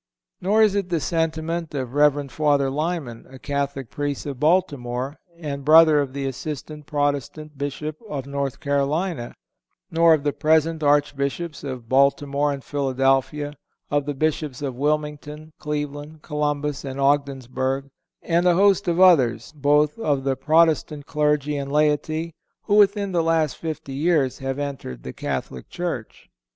Nor is it the sentiment of Rev. Father Lyman, a Catholic Priest, of Baltimore, and brother of the assistant Protestant Bishop of North Carolina, nor of the present Archbishops of Baltimore and Philadelphia, of the Bishops of Wilmington, Cleveland, Columbus and Ogdensburg, and a host of others, both of the Protestant clergy and laity, who within the last fifty years have entered the Catholic Church.